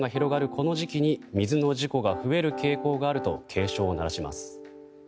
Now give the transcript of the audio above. この時期に水の事故が増える傾向があると警鐘を鳴らします。